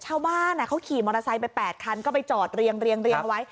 ชาวบ้านอ่ะเขาขี่มอเตอร์ไซค์ไปแปดคันก็ไปจอดเรียงเรียงเรียงไว้